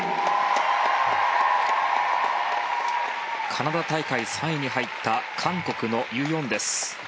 カナダ大会３位に入った韓国のユ・ヨンです。